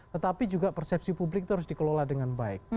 tetapi juga persepsi publik itu harus dikelola dengan baik